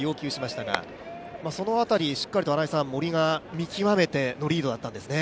その辺り、しっかりと森が見極めてのリードだったんですね。